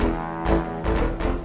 kamu mau ke rumah